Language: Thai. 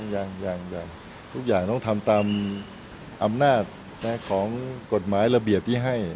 อย่างทุกอย่างต้องทำตามอำนาจของกฎหมายระเบียบที่ให้